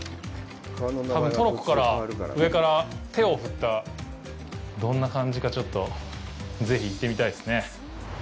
多分、トロッコから、上から手を振った、どんな感じか、ちょっと、ぜひ行ってみたいですね。